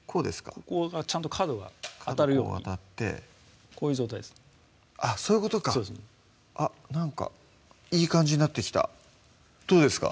ここがちゃんと角が当たるように角こう当たってこういう状態ですあっそういうことかあっなんかいい感じになってきたどうですか？